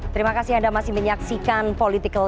terima kasih anda masih menyaksikan political